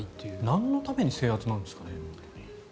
なんのために制圧なんですかね？